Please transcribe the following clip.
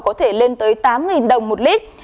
có thể lên tới tám đồng một lít